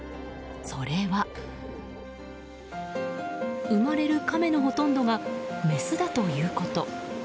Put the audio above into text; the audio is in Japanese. それは生まれるカメのほとんどがメスだということ。